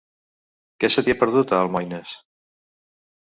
Què se t'hi ha perdut, a Almoines?